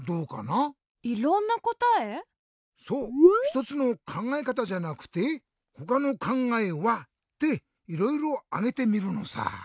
ひとつのかんがえかたじゃなくて「ほかのかんがえは？」でいろいろあげてみるのさ。